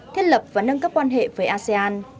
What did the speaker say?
thiết lập và nâng cấp quan hệ với asean